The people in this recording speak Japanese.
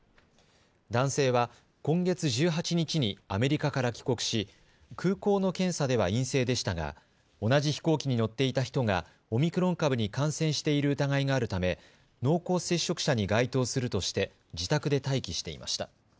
男性は今月１８日にアメリカから帰国し空港の検査では陰性でしたが同じ飛行機に乗っていた人がオミクロン株に感染している疑いがあるため濃厚接触者に該当するとして自宅で待機していました。